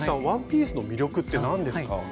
ワンピースの魅力って何ですか？